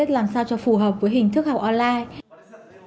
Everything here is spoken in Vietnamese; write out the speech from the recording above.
làm sao cho phù hợp với hình thức học online